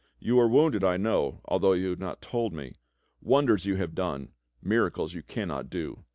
You are wounded I know, although you have not told me. W onders you have done, miracles you cannot do.